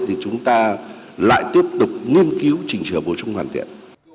thì chúng ta lại tiếp tục nghiên cứu chỉnh sửa bổ sung hoàn thiện